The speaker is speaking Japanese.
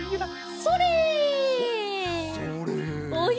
それ！